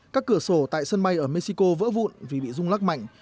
các cửa sổ tại sân bay ở mexico vỡ vụn vì bị rung lắc mạnh